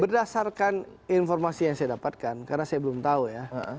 berdasarkan informasi yang saya dapatkan karena saya belum tahu ya